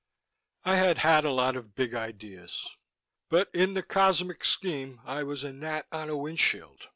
I had had a lot of big ideas but in the cosmic scheme I was a gnat on a windshield.